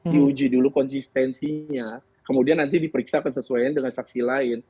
di uji dulu konsistensinya kemudian nanti diperiksakan sesuaian dengan saksi lain